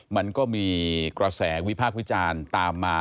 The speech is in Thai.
มันก็มีกระแสวิพากษ์วิจารณ์ตามมา